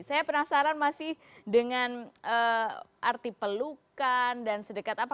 saya penasaran masih dengan arti pelukan dan sedekat apa